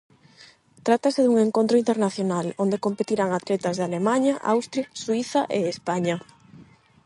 Trátase dun encontro internacional onde competirán atletas de Alemaña, Austria, Suíza e España.